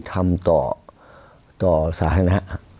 ทำต่อต่อสาธารณะ